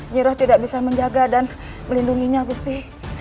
nyiiroh tidak bisa menjaga dan melindunginya gusih